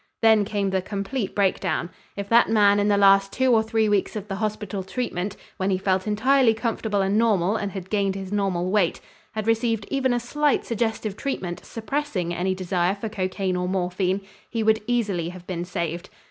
Then came the complete breakdown. If that man in the last two or three weeks of the hospital treatment, when he felt entirely comfortable and normal and had gained his normal weight, had received even a slight suggestive treatment suppressing any desire for cocaine or morphine, he would easily have been saved.